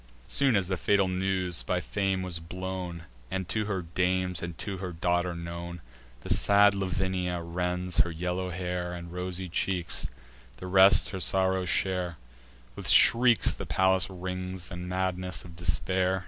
Soon as the fatal news by Fame was blown, And to her dames and to her daughter known, The sad Lavinia rends her yellow hair And rosy cheeks; the rest her sorrow share: With shrieks the palace rings, and madness of despair.